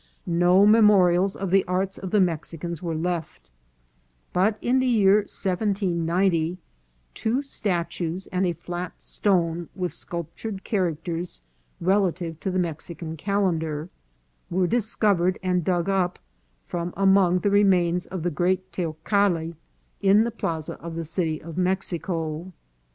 No memorials of the arts of the Mexicans were left ; but in the year 1790, two statues and a flat stone, with sculptured characters relative to the Mexican calendar, were discovered and dug up from among the remains of the great Teocalli in the plaza of the city of Mexico.